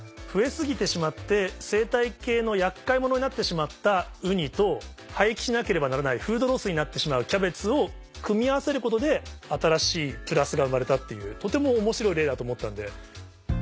増え過ぎてしまって生態系の厄介ものになってしまったウニと廃棄しなければならないフードロスになってしまうキャベツを組み合わせることで新しいプラスが生まれたっていうとても面白い例だと思ったんで。